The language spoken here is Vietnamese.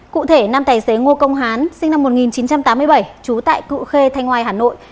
cụ thể nam tài xế ngô công hán sinh năm một nghìn chín trăm tám mươi bảy trú tại cụ khê thanh hoài hà nội